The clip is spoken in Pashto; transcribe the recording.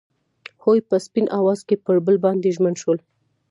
هغوی په سپین اواز کې پر بل باندې ژمن شول.